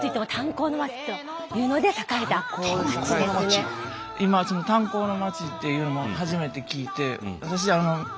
宇部は今「炭鉱の街」っていうのも初めて聞いて。